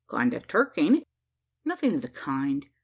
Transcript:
Kind o' Turk, aint it?" "Nothing of the kind.